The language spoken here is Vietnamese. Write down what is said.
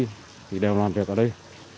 thì đều làm việc ở đây